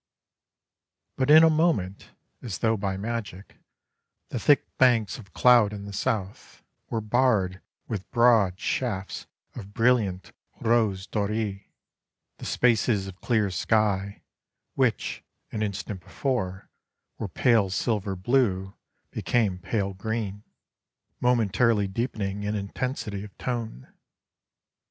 But in a moment, as though by magic, the thick banks of cloud in the south were barred with broad shafts of brilliant rose dorée; the spaces of clear sky, which, an instant before, were pale silver blue, became pale green, momentarily deepening in intensity of tone.